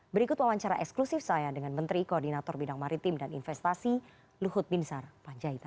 berikut wawancara eksklusif saya dengan menteri koordinator bidang maritim dan investasi luhut binsar panjaitan